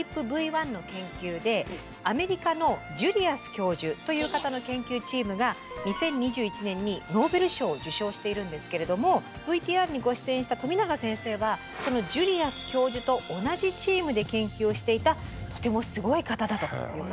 ＴＲＰＶ１の研究でアメリカのジュリアス教授という方の研究チームが２０２１年にノーベル賞を受賞しているんですけれどもＶＴＲにご出演した富永先生はそのジュリアス教授と同じチームで研究をしていたとてもすごい方だということなんです。